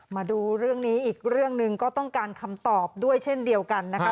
มาดูเรื่องนี้อีกเรื่องหนึ่งก็ต้องการคำตอบด้วยเช่นเดียวกันนะคะ